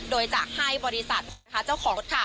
โดยจะให้บริษัทของเจ้าของค่ะ